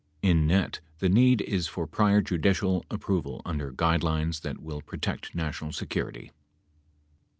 In net, the need is for prior judicial approval under guide lines that will protect national security.